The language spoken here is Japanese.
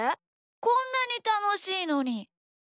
こんなにたのしいのに。